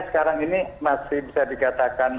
sekarang ini masih bisa dikatakan